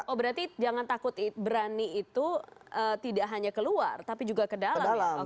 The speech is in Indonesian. oh berarti jangan takut berani itu tidak hanya keluar tapi juga ke dalam ya